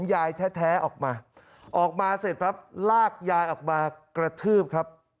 ยายแท้ออกมาออกมาเสร็จครับลากยายออกมากระทืบครับ